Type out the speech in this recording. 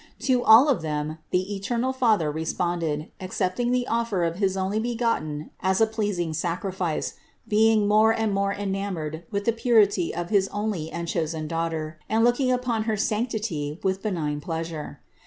To all of them the eternal Father responded, accepting the offering of his Onlybegotten as a pleasing sacrifice, being more and more enamored with the purity of his only and chosen Daughter and looking upon her sanctity with benign pleasure.